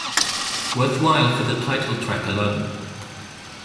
Worthwhile for the title track alone.